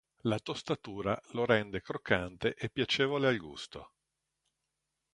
La tostatura lo rende croccante e piacevole al gusto.